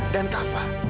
dan kak fah